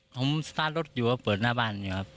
ผมสตาร์ทรถอยู่ก็เปิดหน้าบ้านอยู่ครับ